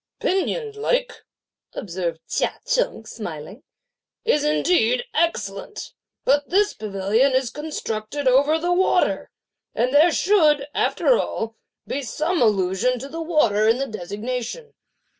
"Pinioned like," observed Chia Cheng smiling, "is indeed excellent; but this pavilion is constructed over the water, and there should, after all, be some allusion to the water in the designation.